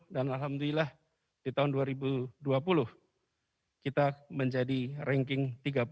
dan alhamdulillah di tahun dua ribu dua puluh kita menjadi ranking tiga puluh satu